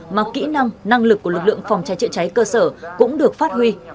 mà kỹ năng năng lực của lực lượng phòng cháy chữa cháy cơ sở cũng được phát huy